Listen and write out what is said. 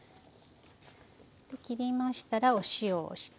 切りましたらお塩をして。